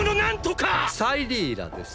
サイリーラです。